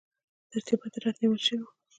ترتیبات راته نیول شوي وو.